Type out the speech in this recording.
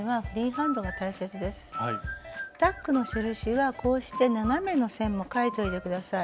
タックの印はこうして斜めの線も書いといて下さい。